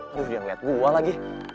aduh dia ngeliat gue lagi